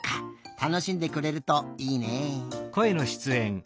たのしんでくれるといいね。